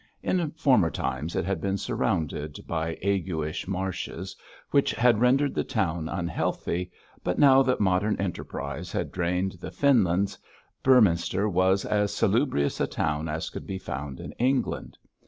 In former times it had been surrounded by aguish marshes which had rendered the town unhealthy, but now that modern enterprise had drained the fenlands, Beorminster was as salubrious a town as could be found in England.